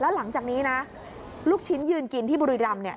แล้วหลังจากนี้ลูกชิ้นยืนกินที่บุรีรำ